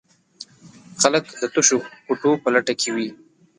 خلک د تشو کوټو په لټه کې وي.